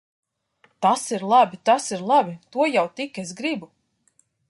Tas ir labi! Tas ir labi! To jau tik es gribu.